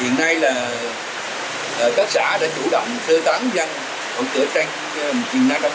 hiện nay là các xã đã chủ động sơ tán dân ở cửa tranh huyện nam trà my